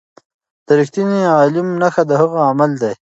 د رښتیني عالم نښه د هغه عمل دی.